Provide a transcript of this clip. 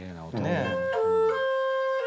ねえ。